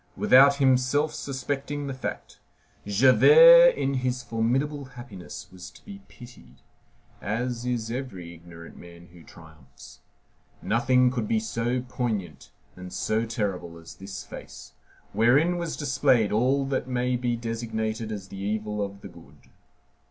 Without himself suspecting the fact, Javert in his formidable happiness was to be pitied, as is every ignorant man who triumphs. Nothing could be so poignant and so terrible as this face, wherein was displayed all that may be designated as the evil of the good.